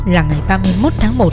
là ngày ba mươi một tháng một